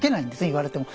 言われても。